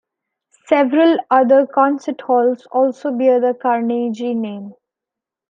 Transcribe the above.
Several other concert halls also bear the Carnegie name.